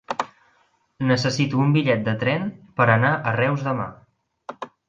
Necessito un bitllet de tren per anar a Reus demà.